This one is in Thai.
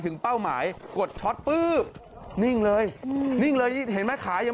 สุดท้าย